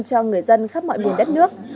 cho người dân khắp mọi vùng đất nước